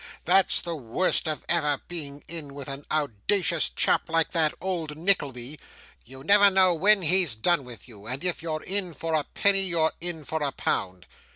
That's the worst of ever being in with a owdacious chap like that old Nickleby. You never know when he's done with you, and if you're in for a penny, you're in for a pound.